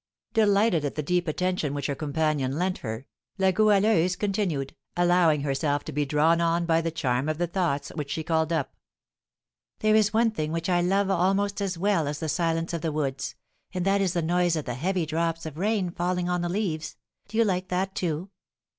Delighted at the deep attention which her companion lent her, La Goualeuse continued, allowing herself to be drawn on by the charm of the thoughts which she called up: "There is one thing which I love almost as well as the silence of the woods, and that is the noise of the heavy drops of rain falling on the leaves; do you like that, too?"